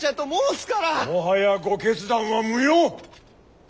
もはやご決断は無用！